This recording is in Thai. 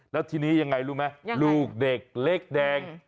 แล้วทีนี้ยังไงรู้ไหมลูกเด็กเล็กแดง